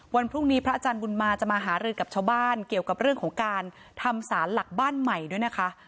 วันพรุ่งนี้พระอาจารย์บุญมาจะมาหารือกับชาวบ้านเกี่ยวกับเรื่องของการทำสารหลักบ้านใหม่ด้วยนะคะ